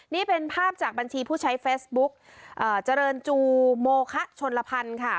นี่เป็นภาพจากบัญชีผู้ใช้เฟซบุ๊กเจริญจูโมคะชนลพันธ์ค่ะ